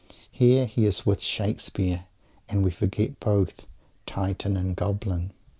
Here he is "with Shakespeare" and we forget both Titan and Goblin.